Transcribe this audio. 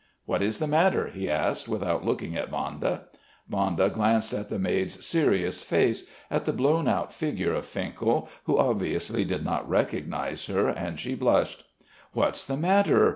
"What is the matter?" he asked, without looking at Vanda. Vanda glanced at the maid's serious face, at the blown out figure of Finkel, who obviously did not recognise her, and she blushed. "What's the matter?"